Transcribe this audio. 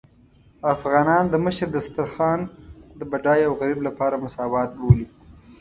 افغانان د مشر دسترخوان د بډای او غريب لپاره مساوات بولي.